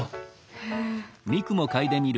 へえ。